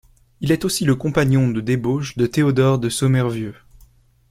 Il est aussi le compagnon de débauche de Théodore de Sommervieux.